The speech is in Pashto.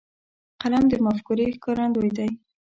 قلم د مفکورې ښکارندوی دی.